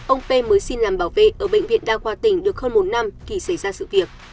ông p mới xin làm bảo vệ ở bệnh viện đa khoa tỉnh được hơn một năm thì xảy ra sự việc